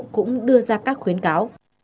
cũng đưa ra các khuyến cáo